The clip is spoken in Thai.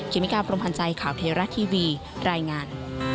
เมกาพรมพันธ์ใจข่าวเทราะทีวีรายงาน